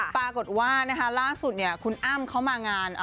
ปรากฏว่าล่าสุดคุณอ้ำเขามางาน